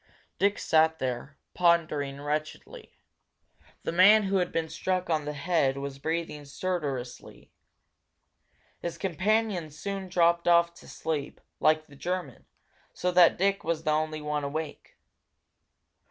Dick sat there, pondering wretchedly. The man who had been struck on the head was breathing stertorously. His companion soon dropped off to sleep, like the German, so that Dick was the only one awake.